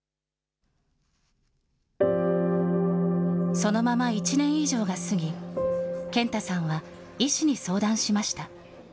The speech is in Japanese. そのまま１年以上が過ぎ、健太さんは医師に相談しました。